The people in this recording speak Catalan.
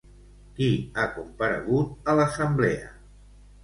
Qui ha comparegut a l'assemblea?